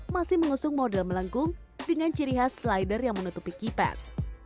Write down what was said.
masih mengusung model melengkung dengan ciri khas slider yang menutupi keypad